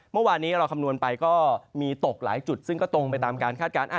เมื่อวานนี้เราคำนวณไปก็มีตกหลายจุดซึ่งก็ตรงไปตามการคาดการณ์